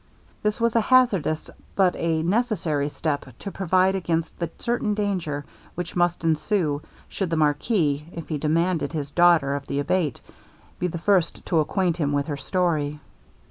This was a hazardous, but a necessary step, to provide against the certain danger which must ensue, should the marquis, if he demanded his daughter of the Abate, be the first to acquaint him with her story.